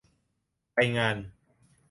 ไปงาน